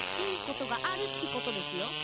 いいことがあるってことですよ。